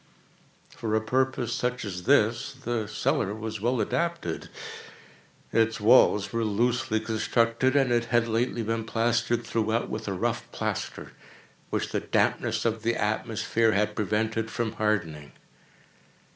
For a purpose such as this the cellar was well adapted. Its walls were loosely constructed, and had lately been plastered throughout with a rough plaster, which the dampness of the atmosphere had prevented from hardening.